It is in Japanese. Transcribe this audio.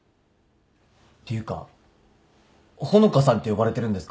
ていうか「穂香さん」って呼ばれてるんですか？